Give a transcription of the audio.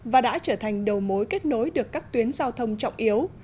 và đã trở thành đầu mối kết nối được các tuyến giao thông trọng yếu